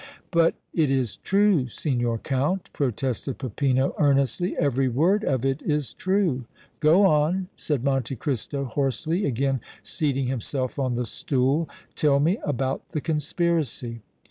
"But it is true, Signor Count," protested Peppino, earnestly; "every word of it is true!" "Go on," said Monte Cristo, hoarsely, again seating himself on the stool. "Tell me about the conspiracy."